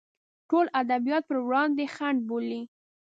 ټول ادبیات پر وړاندې خنډ بولي.